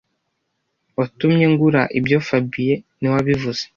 Watumye ngura ibyo fabien niwe wabivuze